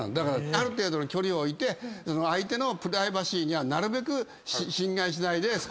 ある程度の距離を置いて相手のプライバシーにはなるべく侵害しないで。